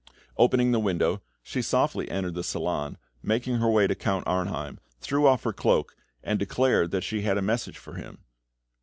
Opening the window, she softly entered the salon, and making her way to Count Arnheim, threw off her cloak, and declared that she had a message for him.